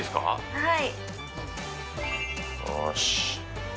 はい。